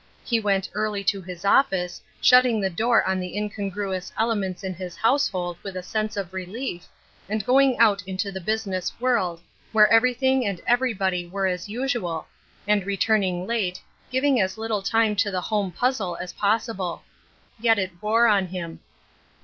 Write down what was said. He went early to his office, shut ting the door on the incongruous elements in his household with a sense of relief, and going out into the business world, where everything and everybody were as usual, and returning late, giv ing as little time to the home puzzle as possible, Yet it wore on him.